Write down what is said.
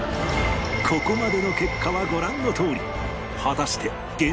ここまでの結果はご覧のとおり